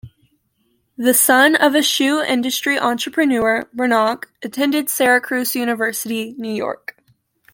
The son of a shoe industry entrepreneur, Brannock attended Syracuse University, New York.